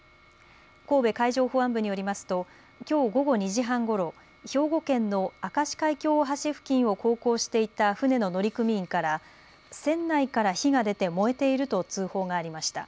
神戸海上保安部によりますときょう午後２時半ごろ、兵庫県の明石海峡大橋付近を航行していた船の乗組員から船内から火が出て燃えていると通報がありました。